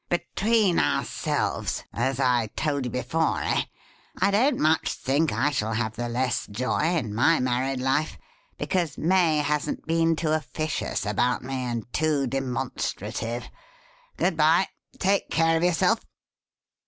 Between ourselves (as I told you before, eh?) I don't much think I shall have the less joy in my married life, because May hasn't been too officious about me, and too demonstrative. Good bye! Take care of yourself."